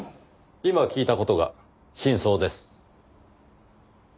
今聞いた事が真相です。